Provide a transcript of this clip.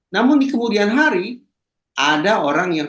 namun di kemudian hari ada orang yang